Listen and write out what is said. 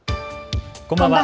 こんばんは。